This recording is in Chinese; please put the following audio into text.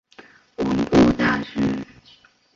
文部大臣。